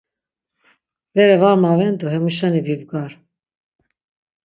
Bere var maven do hemuşeni bibgar.